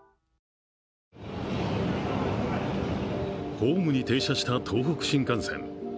ホームに停車した東北新幹線。